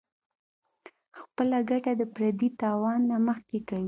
خپله ګټه د پردي تاوان نه مخکې کوي -